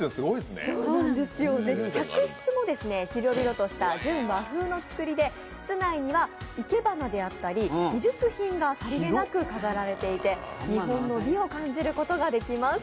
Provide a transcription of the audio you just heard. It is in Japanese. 客室も広々とした純和風の造りで室内には生け花であったり美術品がさりげなく飾られていて日本の美を感じることができます。